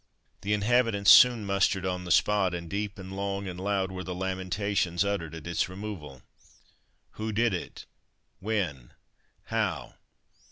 The inhabitants soon mustered on the spot, and deep and long and loud were the lamentations uttered at its removal. Who did it? When? How?